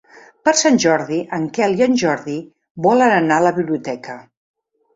Per Sant Jordi en Quel i en Jordi volen anar a la biblioteca.